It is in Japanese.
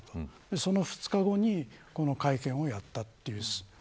その２日後にこの会見をやった。